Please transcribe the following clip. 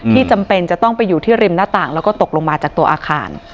จำเป็นจะต้องไปอยู่ที่ริมหน้าต่างแล้วก็ตกลงมาจากตัวอาคาร